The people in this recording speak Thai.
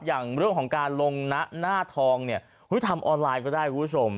อย่างเรื่องของการลงหน้าทองเนี่ยทำออนไลน์ก็ได้คุณผู้ชม